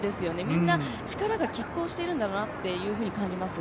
みんな力が拮抗しているんだなと感じます。